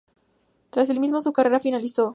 Tras el mismo, su carrera finalizó.